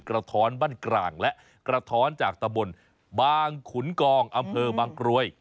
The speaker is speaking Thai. ท้อนบ้านกลางและกระท้อนจากตะบนบางขุนกองอำเภอบางกรวย